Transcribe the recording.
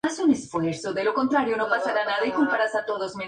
Llevan dos o tres años para alcanzar la madurez.